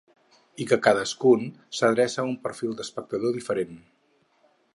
I que cadascun s’adreça a un perfil d’espectador diferent.